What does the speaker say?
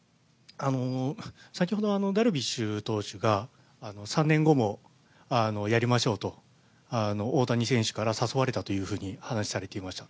先ほどダルビッシュ投手が３年後もやりましょうと大谷選手から誘われたと話されていました。